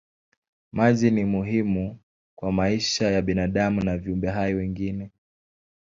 Maji ni muhimu kwa maisha ya binadamu na viumbe hai wengine.